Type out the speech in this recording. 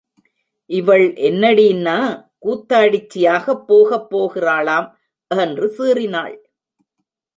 இவள் என்னடீன்னா கூத்தாடிச்சியாக போகப் போகிறாளாம் என்று சீறினாள்.